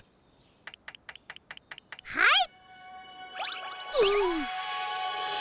はい！